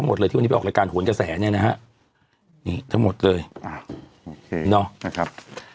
ขอบคุณนะครับขอบคุณนะครับขอบคุณนะครับ